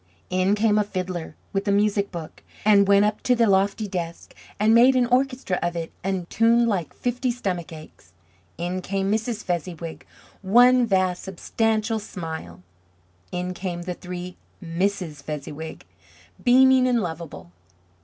In came a fiddler with a music book, and went up to the lofty desk and made an orchestra of it and tuned like fifty stomach aches. In came Mrs. Fezziwig, one vast substantial smile. In came the three Misses Fezziwig, beaming and lovable.